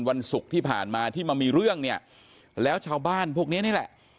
วันศุกร์ที่ผ่านมาที่มามีเรื่องเนี่ยแล้วชาวบ้านพวกนี้นี่แหละ